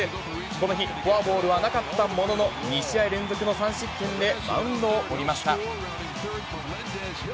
この日、フォアボールはなかったものの、２試合連続の３失点でマウンドを降りました。